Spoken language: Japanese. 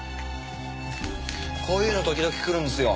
こういうの時々来るんですよ。